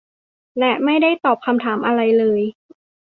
และไม่ได้ตอบคำถามอะไรเลย